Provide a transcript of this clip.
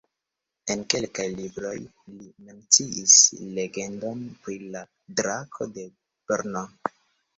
En kelkaj libroj li menciis legendon pri la Drako de Brno.